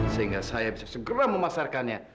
sehingga saya bisa segera memasarkannya